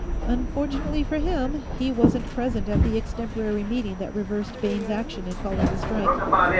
Unfortunately for him, he wasn't present at the extemporary meeting that reversed Bayne's action in calling the strike."